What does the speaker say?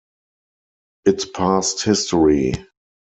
It's past history.